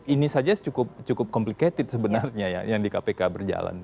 ini saja cukup complicated sebenarnya ya yang di kpk berjalan